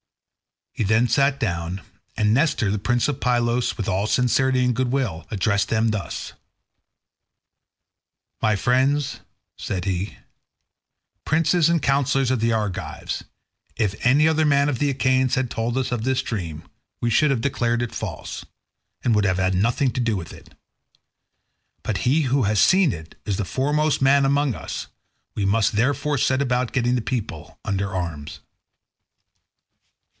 He then sat down, and Nestor the prince of Pylos with all sincerity and goodwill addressed them thus: "My friends," said he, "princes and councillors of the Argives, if any other man of the Achaeans had told us of this dream we should have declared it false, and would have had nothing to do with it. But he who has seen it is the foremost man among us; we must therefore set about getting the people under arms."